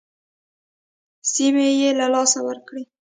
سیمې یې له لاسه ورکړې.